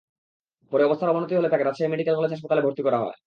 পরে অবস্থার অবনতি হলে তাঁকে রাজশাহী মেডিকেল কলেজ হাসপাতালে ভর্তি করা হয়।